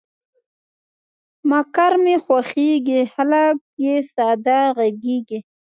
مقر مې خوښېږي، خلګ یې ساده غږیږي.